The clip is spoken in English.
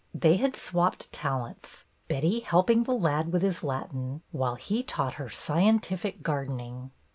They had swapped talents, Betty helping the lad with his Latin, while he taught her scien tific gardening.